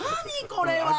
これは！